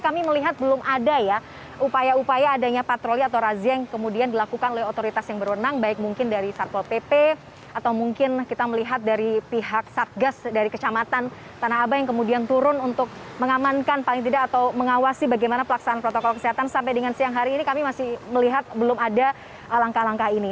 kami melihat belum ada ya upaya upaya adanya patroli atau razia yang kemudian dilakukan oleh otoritas yang berwenang baik mungkin dari sarpol pp atau mungkin kita melihat dari pihak satgas dari kecamatan tanah abang yang kemudian turun untuk mengamankan paling tidak atau mengawasi bagaimana pelaksanaan protokol kesehatan sampai dengan siang hari ini kami masih melihat belum ada langkah langkah ini